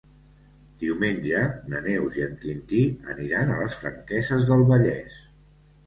Diumenge na Neus i en Quintí aniran a les Franqueses del Vallès.